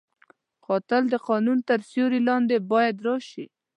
قاتل د قانون تر سیوري لاندې باید راشي